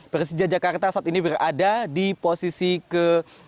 persija jakarta saat ini berada di posisi ke sembilan